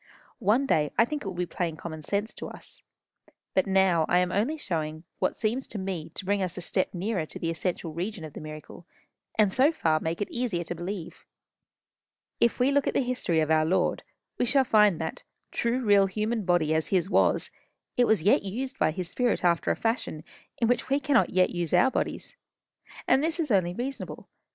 One day I think it will be plain common sense to us. But now I am only showing you what seems to me to bring us a step nearer to the essential region of the miracle, and so far make it easier to believe. If we look at the history of our Lord, we shall find that, true real human body as his was, it was yet used by his spirit after a fashion in which we cannot yet use our bodies. And this is only reasonable.